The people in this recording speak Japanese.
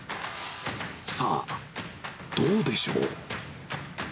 さあ、どうでしょう。